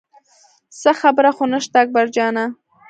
څه خبره خو نه شته اکبر جانه.